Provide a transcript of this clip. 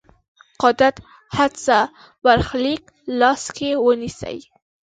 قدرت هڅه برخلیک لاس کې ونیسي.